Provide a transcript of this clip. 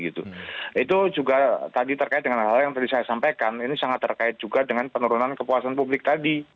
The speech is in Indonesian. itu juga tadi terkait dengan hal hal yang tadi saya sampaikan ini sangat terkait juga dengan penurunan kepuasan publik tadi